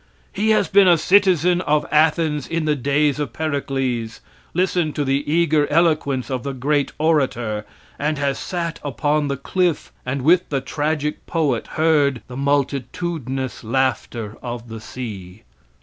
He has been a citizen of Athens in the days of Pericles; listened to the eager eloquence of the great orator, and has sat upon the cliff, and with the tragic poet heard "the multitudinous laughter of the sea."